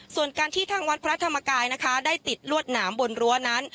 ส่วนการที่ทางวัดพระธรรมกายนะคะได้ติดลวดหนามบนรั้วนั้น